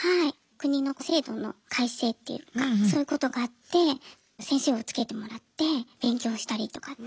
国の制度の改正っていうかそういうことがあって先生をつけてもらって勉強したりとかって。